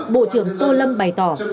bộ trưởng tô lâm bày tỏ